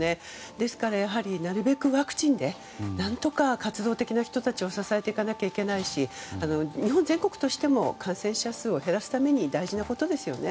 ですから、なるべくワクチンで何とか活動的な人たちを支えていかなきゃいけないし日本全国としても感染者数を減らすために大事なことですよね。